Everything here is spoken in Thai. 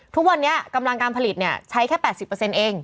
ทุกวันนี้กำลังการผลิตใช้แค่๘๐เอง